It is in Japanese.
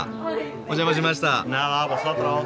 お邪魔しました。